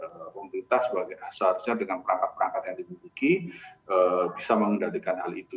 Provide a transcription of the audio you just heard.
jadi pemerintah seharusnya dengan perangkat perangkat yang dimiliki bisa mengendalikan hal itu